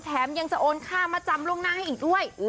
แถมยังจะโอนค่ามาจำล่วงหน้าให้อีกด้วย